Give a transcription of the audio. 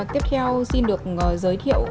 tiếp theo xin được giới thiệu